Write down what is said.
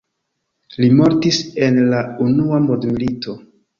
Li mortis en la unua mondmilito.